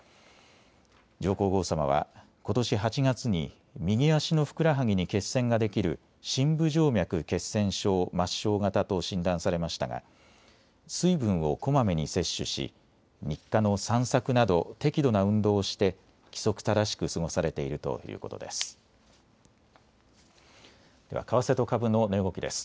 上皇后さまはことし８月に右足のふくらはぎに血栓ができる深部静脈血栓症・末梢型と診断されましたが水分をこまめに摂取し日課の散策など適度な運動をして規則正しく過ごされているということです。